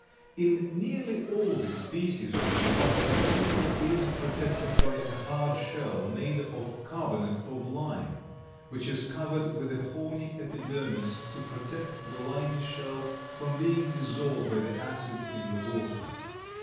In nearly all the species of the Mollusca the animal is protected by a hard shell, made of carbonate of lime, which is covered with a horny epidermis to protect the limy shell from being dissolved by the acids in the water.